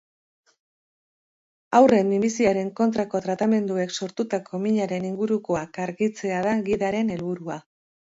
Haurren minbiziaren kontrako tratamenduek sortutako minaren ingurukoak argitzea da gidaren helburua.